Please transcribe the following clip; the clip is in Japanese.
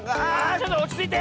ちょっとおちついて！